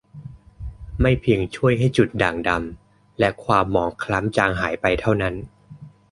ไม่เพียงช่วยให้จุดด่างดำและความหมองคล้ำจางหายไปเท่านั้น